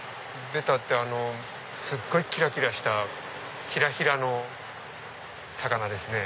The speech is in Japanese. ベタってすっごいキラキラしたヒラヒラの魚ですね。